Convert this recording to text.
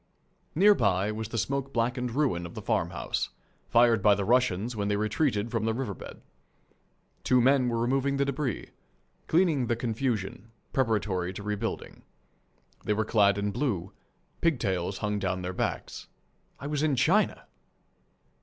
Near by was the smoke blackened ruin of the farmhouse, fired by the Russians when they retreated from the riverbed. Two men were removing the debris, cleaning the confusion, preparatory to rebuilding. They were clad in blue. Pigtails hung down their backs. I was in China!